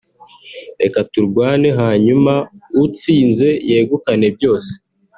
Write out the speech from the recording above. reka turwane hanyuma utsinze yegukane byose